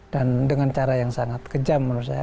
dan dengan cara yang sangat kejam menurut saya